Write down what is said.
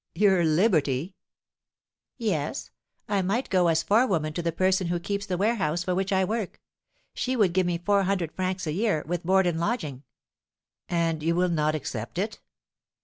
"Your liberty?" "Yes, I might go as forewoman to the person who keeps the warehouse for which I work; she would give me four hundred francs a year, with board and lodging." "And you will not accept it?"